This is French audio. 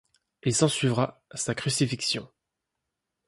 Il s'ensuivra sa crucifixion.